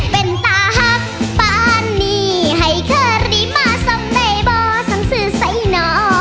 เป็นตาหักปานีให้เค้าริมาสมได้บ่สังสื่อใส่หน่อ